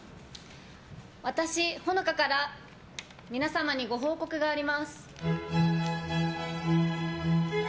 私、ほのかから皆様にご報告があります。